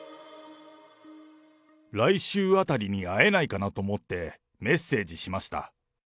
来週あたりに会えないかなと思って、メッセージしました。